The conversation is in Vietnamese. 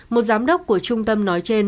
một giám đốc của trung tâm nói trên